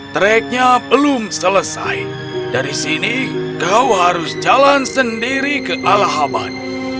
tracknya belum selesai dari sini kau harus jalan sendiri ke alahaban